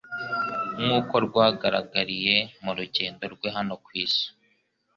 nkuko rwagaragariye mu rugendo rwe rwa hano ku isi,